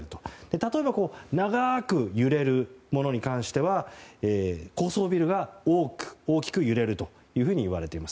例えば長く揺れるものに関しては高層ビルが大きく揺れるといわれています。